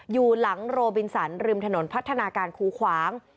อยู่หลังโรบินสันริมถนนพัฒนาการคูขวาง